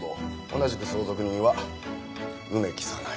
同じく相続人は梅木早苗。